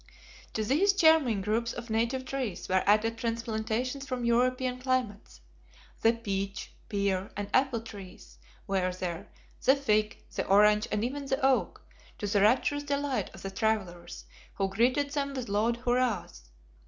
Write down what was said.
To these charming groups of native trees were added transplantations from European climates. The peach, pear, and apple trees were there, the fig, the orange, and even the oak, to the rapturous delight of the travelers, who greeted them with loud hurrahs!